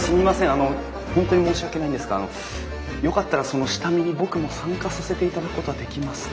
あの本当に申し訳ないんですがよかったらその下見に僕も参加させていただくことはできますか？